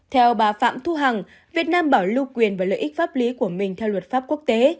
theo bà phạm thu hằng việt nam bảo lưu quyền và lợi ích pháp lý của mình theo luật pháp quốc tế